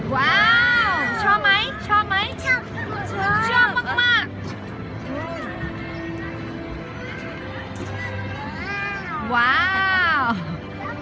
ว้าวชอบไหมชอบไหมชอบมากมาก